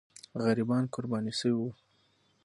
غریبان قرباني سوي وو.